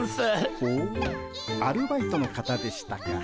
ほうアルバイトの方でしたか。